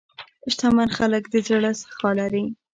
شتمن خلک د زړه سخا لري.